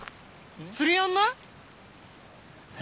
釣りやんない？え？